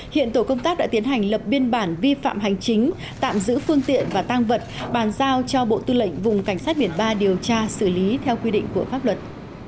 hiện tổ công tác đã tiến hành lập biên bản vi phạm hành chính tạm giữ phương tiện và tăng vật bàn giao cho bộ tư lệnh vùng cảnh sát biển ba điều tra xử lý theo quy định của pháp luật